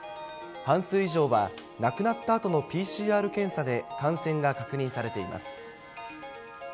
半数以上は、亡くなったあとのＰＣＲ検査で感染が確認されています。